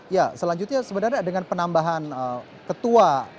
ya selanjutnya sebenarnya dengan penambahan ketua